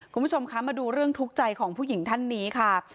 คุณผู้ชมคะมาดูเรื่องทุกข์ใจของผู้หญิงท่านนี้ค่ะ